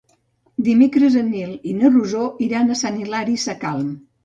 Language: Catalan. Dimecres en Nil i na Rosó iran a Sant Hilari Sacalm.